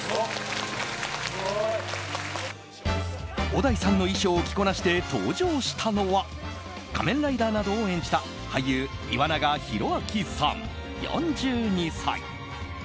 小田井さんの衣装を着こなして登場したのは仮面ライダーなどを演じた俳優・岩永洋昭さん、４２歳。